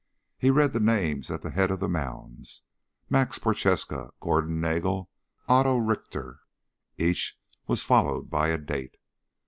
He read the names at the head of the mounds: Max Prochaska, Gordon Nagel, Otto Richter. Each was followed by a date.